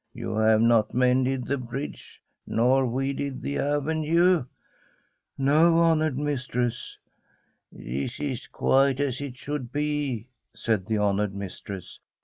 You have not mended the bridge, nor weeded the avenue ?' '•No, honoured mistress.' 'This is quite as it should be,' said the hon oured mistress.